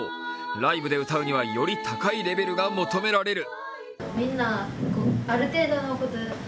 ライブで歌うにはより高いレベルが求められる。